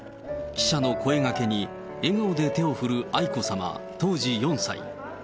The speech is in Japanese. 記者の声掛けに笑顔で手を振る愛子さま、当時４歳。